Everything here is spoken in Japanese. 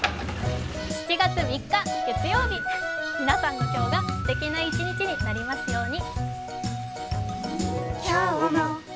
７月３日月曜日、皆さんの今日がすてきな一日になりますように。